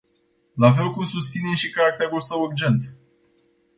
La fel cum susținem și caracterul său urgent.